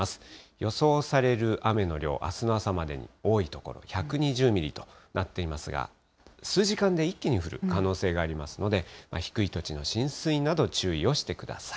予想される雨の量、あすの朝までに多い所１２０ミリとなっていますが、数時間で一気に降る可能性がありますので、低い土地の浸水など、注意をしてください。